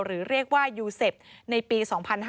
หรือเรียกว่ายูเซฟในปี๒๕๕๙